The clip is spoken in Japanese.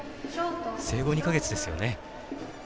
生後２か月ですよね。